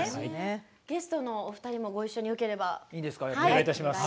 ゲストのお二人もご一緒によければお願いします。